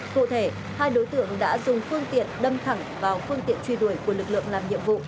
đối tượng đã dùng phương tiện đâm thẳng vào phương tiện truy đuổi của lực lượng làm nhiệm vụ